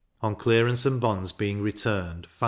on clearance and bonds being returned 5s.